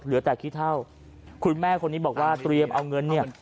เหลือแต่ขี้เท่าคุณแม่คนนี้บอกว่าเตรียมเอาเงินเนี่ย